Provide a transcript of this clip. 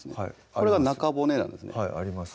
これが中骨なんですねはいあります